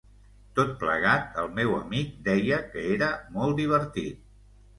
Tot plegat el meu amic deia que era molt divertit.